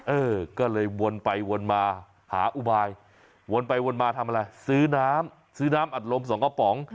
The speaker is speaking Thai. เออก็เลยวนไปวนมาหาอุบายวนไปวนมาทำอะไรซื้อน้ำซื้อน้ำอัดลมสองกระป๋อง